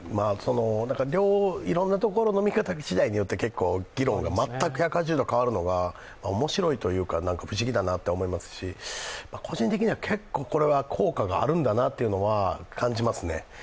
いろんなところの見方しだいで、議論が全く１８０度変わるのが面白いというか、不思議だなと思いますし、個人的には結構、これは効果があるんだなというのは感じますね。